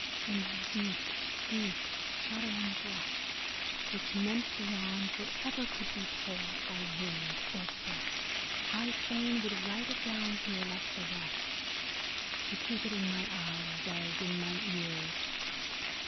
And deep, deep, shuddering breaths, which meant beyond Whatever could be told by word or kiss .... A DAY WITH E. B. BROWNING I fain would write it down here like the rest, To keep it in my eyes, as in my ears.